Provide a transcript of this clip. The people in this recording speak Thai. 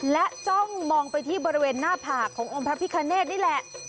และจ้องมองไปที่บริเวณหน้าผากขององค์พระพิคเนธนี่แหละ